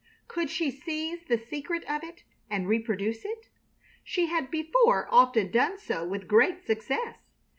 Could she seize the secret of it and reproduce it? She had before often done so with great success.